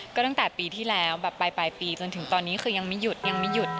ก็ตั้งแต่ปีที่แล้วแบบปลายปีจนถึงตอนนี้คือยังไม่หยุดยังไม่หยุด